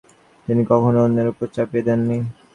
তিনি কখনও অন্যের উপর চাপিয়ে দেননি।